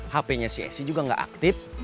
hpnya si esi juga gak aktif